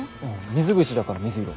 水口だから水色。